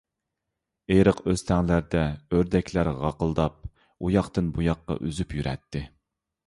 ئېرىق-ئۆستەڭلەردە ئۆردەكلەر غاقىلداپ، ئۇياقتىن-بۇياققا ئۈزۈپ يۈرەتتى.